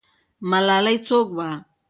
ملالۍ څوک وه؟